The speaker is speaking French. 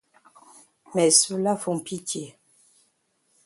Mais ceux-là font pitié.